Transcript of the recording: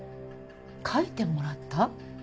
書いてもらった？